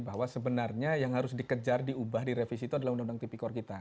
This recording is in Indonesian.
bahwa sebenarnya yang harus dikejar diubah direvisi itu adalah undang undang tipikor kita